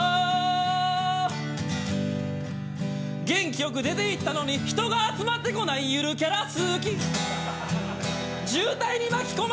元気よく出ていったのに人が集まってこないゆるキャラ好き。